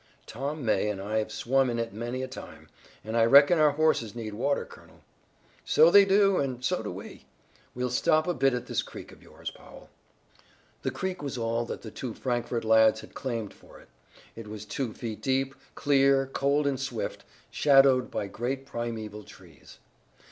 Tom May and I have swum in it many a time, and I reckon our horses need water, colonel." "So they do, and so do we. We'll stop a bit at this creek of yours, Powell." The creek was all that the two Frankfort lads had claimed for it. It was two feet deep, clear, cold and swift, shadowed by great primeval trees.